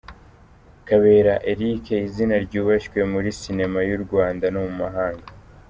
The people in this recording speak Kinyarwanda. Kabera Eric, izina ryubashywe muri sinema y’u Rwanda no mu mahanga.